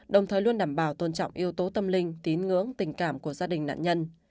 đồng thời luôn đảm bảo tôn trọng yếu tố tâm linh tín ngưỡng tình cảm của gia đình nạn nhân